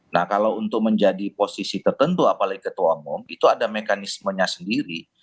nah kalau untuk menjadi posisi tertentu apalagi ketua umum itu ada mekanismenya sendiri